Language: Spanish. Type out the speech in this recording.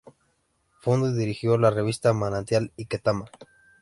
Fundó y dirigió las revistas "Manantial" y "Ketama".